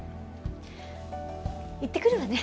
行ってくるわね。